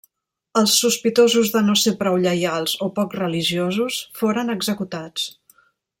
Els sospitosos de no ser prou lleials o poc religiosos foren executats.